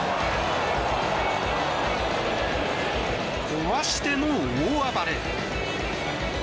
壊しての大暴れ！